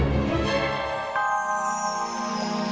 beri dan cari